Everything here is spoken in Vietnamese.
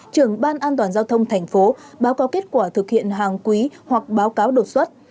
trưởng bàn an toàn giao thông tp báo cáo kết quả thực hiện hàng quý hoặc báo cáo đột xuất